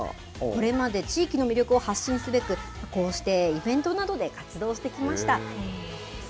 これまで地域の魅力を発信すべく、こうしてイベントなどで活動してきました。